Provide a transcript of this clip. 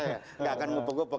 nggak akan gupek gubek